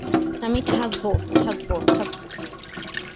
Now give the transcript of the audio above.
আমি থাকব, থাকব, থাকব।